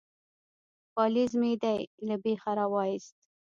_پالېز مې دې له بېخه را وايست.